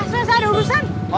soalnya saya ada urusan